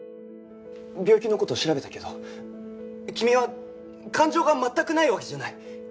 病気の事調べたけど君は感情が全くないわけじゃない。